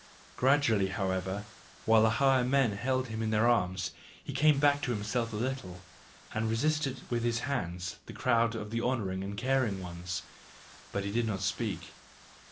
Gradually, however, while the higher men held him in their arms, he came back to himself a little, and resisted with his hands the crowd of the honouring and caring ones; but he did not speak.